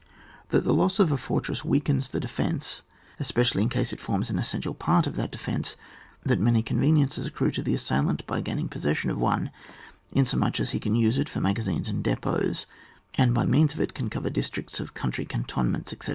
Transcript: That the loss of a fortress weakens the defence, especially in case it forms an essential part of that defence ; that many conveniences accrue to the assail ant by gaining possession of one, inas much as he can use it for magazines and depots, and by means of it can cover districts of country cantonments, etc.